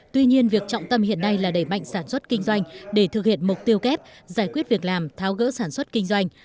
tuy nhiên việc trọng tâm hiện nay là đẩy mạnh sản xuất kinh doanh để thực hiện mục tiêu kép giải quyết việc làm tháo gỡ sản xuất kinh doanh